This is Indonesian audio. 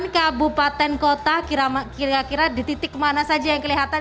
tiga puluh delapan kabupaten kota kira kira di titik mana saja yang kelihatan